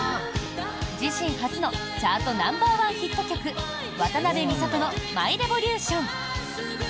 自身初のチャートナンバーワンヒット曲渡辺美里の「ＭｙＲｅｖｏｌｕｔｉｏｎ」。